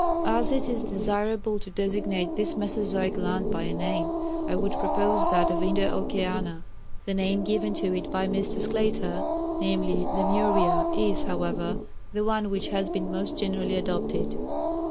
As it is desirable to designate this Mesozoic land by a name, I would propose that of Indo Oceana. [The name given to it by Mr. Sclater, viz., Lemuria, is, however, the one which has been most generally adopted.